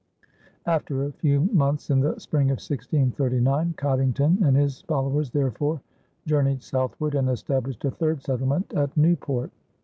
After a few months, in the spring of 1639, Coddington and his followers therefore journeyed southward and established a third settlement at Newport.